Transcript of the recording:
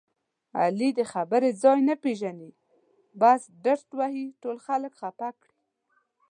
علي د خبرې ځای نه پېژني بس ډرت وهي ټول خلک خپه کړي.